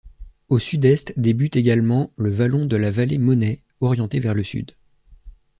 Au sud-est débute également le vallon de la vallée Monnet, orienté vers le sud.